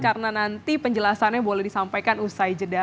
karena nanti penjelasannya boleh disampaikan usai jeda